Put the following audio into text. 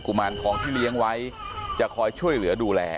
มารทองที่เลี้ยงไว้จะคอยช่วยเหลือดูแล